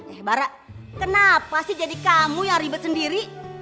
eh bara kenapa sih jadi kamu yang ribet sendiri